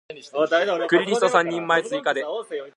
クリリソ三人前追加で